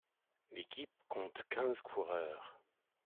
L'équipe compte quinze coureurs.